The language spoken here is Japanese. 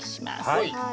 はい。